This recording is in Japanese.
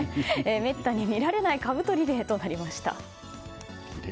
めったに見られないかぶとリレーとなりました。